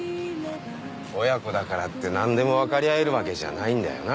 親子だからって何でも分かり合えるわけじゃないんだよな。